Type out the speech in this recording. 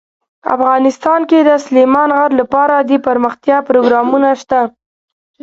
افغانستان کې د سلیمان غر لپاره دپرمختیا پروګرامونه شته.